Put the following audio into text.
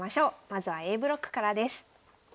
まずはＡブロックからです。